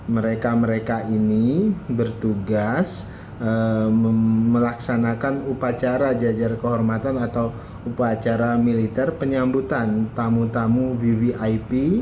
mereka mereka ini bertugas melaksanakan upacara jajar kehormatan atau upacara militer penyambutan tamu tamu vvip